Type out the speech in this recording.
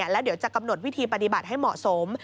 แล้วเดี๋ยวจะกำหนดวิธีปฏิบัติให้เหมาะสม